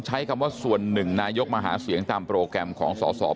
ใช้คำว่าส่วนหนึ่งนายกมาหาเสียงตามโปรแกรมของสอสอ